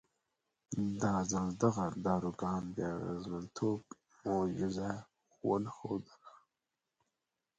دا ځل دغه داروګان د اغېزمنتوب معجزه ونه ښودله.